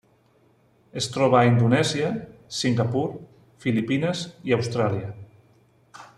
Es troba a Indonèsia, Singapur, Filipines i Austràlia.